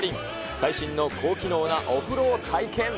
最新の高機能なお風呂を体験。